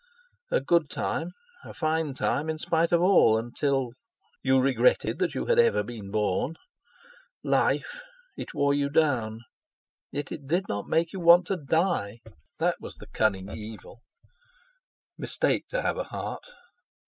A good time; a fine time in spite of all; until—you regretted that you had ever been born. Life—it wore you down, yet did not make you want to die—that was the cunning evil! Mistake to have a heart!